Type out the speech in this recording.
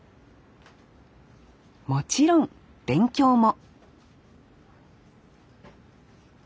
もちろん勉強も！